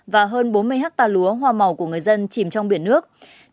và hơn bốn mươi hectare lúa hoa màu của người dân chìm trong biển nước